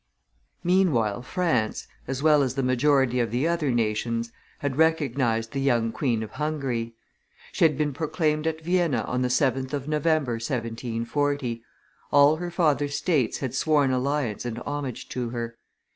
Meanwhile France, as well as the majority of the other nations, had recognized the young Queen of Hungary. She had been proclaimed at Vienna on the 7th of November, 1740; all her father's states had sworn alliance and homage to her.